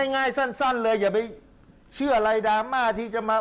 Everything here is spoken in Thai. ง่ายสั้นเลยอย่าไปเชื่ออะไรดราม่าที่จะมา